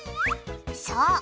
そう！